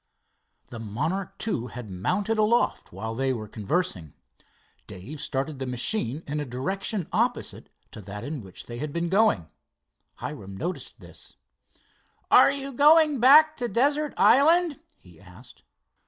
The Monarch II had mounted aloft while they were conversing. Dave started the machine in a direction opposite to that in which they had been going. Hiram noted this. "Are you going back to Desert Island?" he asked.